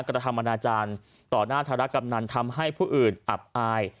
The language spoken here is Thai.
กระทำอนาจารย์ต่อหน้าธารกำนันทำให้ผู้อื่นอับอาย